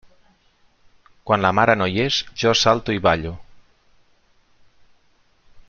Quan la mare no hi és, jo salto i ballo.